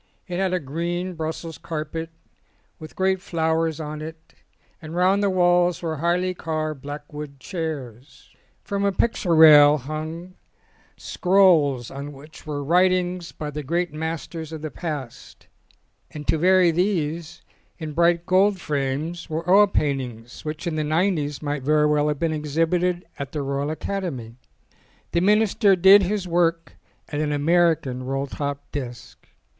It had a green Brussels carpet, with great flowers on it, and round the walls were highly carved black wood chairs. From a picture rail hung scrolls on which were writings by the great masters of the past, and to vary these, in bright gold frames, were oil paintings which in the nineties might very well have been exhibited in the Royal Academy. The minister did his work at an American roll top desk.